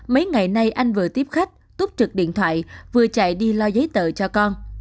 mấy ngày nay anh vừa tiếp khách túp trực điện thoại vừa chạy đi lo giấy tờ cho con